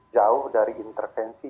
jauh dari intervensi